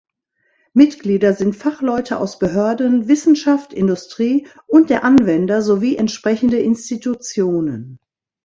Mitglieder sind Fachleute aus Behörden, Wissenschaft, Industrie und der Anwender sowie entsprechende Institutionen.